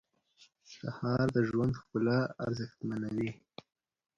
سهار د ژوند ښکلا ارزښتمنوي.